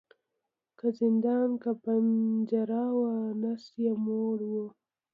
که زندان که پنجره وه نس یې موړ وو